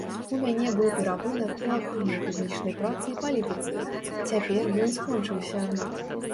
У мяне быў перапынак у актыўнай публічнай працы і палітыцы, цяпер ён скончыўся.